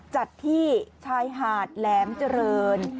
จัดที่ชายหาดแหลมเจริญ